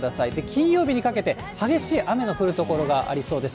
金曜日にかけて、激しい雨の降る所がありそうです。